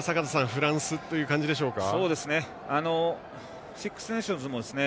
フランスという感じでしょうか。